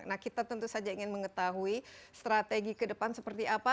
nah kita tentu saja ingin mengetahui strategi ke depan seperti apa